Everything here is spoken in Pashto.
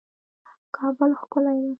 کابل ښکلی ده